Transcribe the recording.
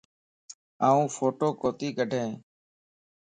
آن ڦوٽو ڪوتي ڪڊائين.